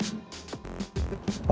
gak ada apa apa